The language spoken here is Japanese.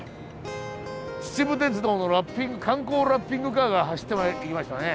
秩父鉄道の観光ラッピングカーが走っていきましたね。